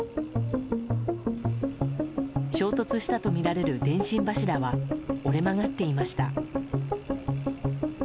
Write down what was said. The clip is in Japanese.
衝突したとみられる電信柱は折れ曲がっていました。